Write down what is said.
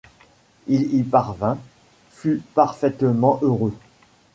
Il y parvint, fut parfaitement heureux.